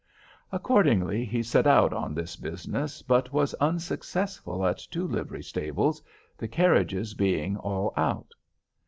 Accordingly he set out on this business, but was unsuccessful at two livery stables, the carriages being all out.